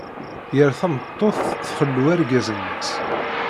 Yir tameṭṭut txellu argaz-nnes.